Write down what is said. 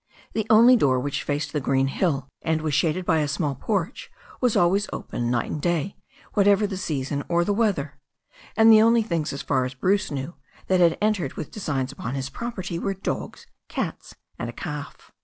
The only door, which faced the green hill and was shaded by a small porch, was always open, night and day, whatever the season or the weather, and the only things, as far as Bruce knew, that had entered with designs upon his property were dogs, cats and a calf.